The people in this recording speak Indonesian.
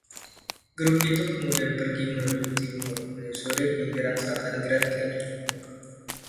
Grup itu kemudian pergi menuju timur menyusuri Pinggiran Selatan Grand Canyon.